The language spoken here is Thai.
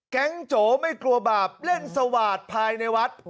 โจไม่กลัวบาปเล่นสวาดภายในวัด